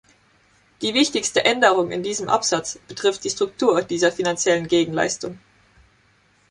Die wichtigste Änderung in diesem Absatz betrifft die Struktur dieser finanziellen Gegenleistung.